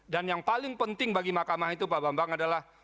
dan yang paling penting bagi mahkamah itu pak bambang adalah